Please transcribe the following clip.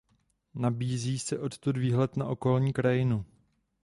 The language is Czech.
Nabízí se odtud výhled na okolní krajinu.